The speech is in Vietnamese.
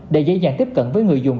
để dễ dàng tiếp cận với người dùng